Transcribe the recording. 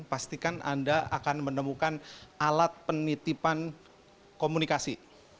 pastikan anda akan menemukan alat penitipan komunikasi